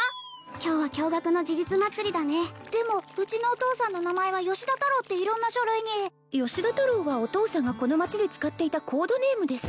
今日は驚がくの事実まつりだねでもうちのお父さんの名前は「吉田太郎」って色んな書類に「吉田太郎」はお父さんがこの町で使っていたコードネームです